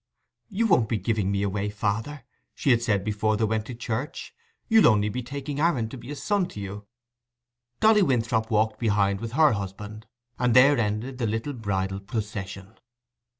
"You won't be giving me away, father," she had said before they went to church; "you'll only be taking Aaron to be a son to you." Dolly Winthrop walked behind with her husband; and there ended the little bridal procession.